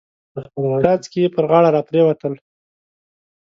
څاڅکي يې پر غاړه را پريوتل.